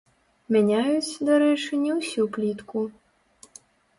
Мяняюць, дарэчы, не ўсю плітку.